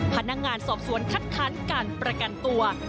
พนักงานสอบสวนคัดค้านการประกันตัว